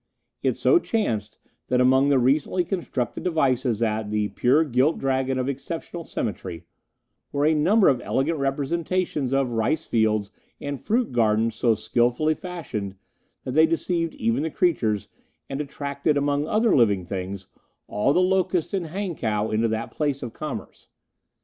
It so chanced that among the recently constructed devices at 'The Pure Gilt Dragon of Exceptional Symmetry' were a number of elegant representations of rice fields and fruit gardens so skilfully fashioned that they deceived even the creatures, and attracted, among other living things, all the locusts in Hankow into that place of commerce.